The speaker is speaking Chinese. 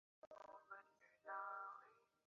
世界各地的战况均有利于轴心国。